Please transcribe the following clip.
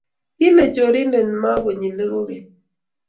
Kilee chorindet magonyile kogeny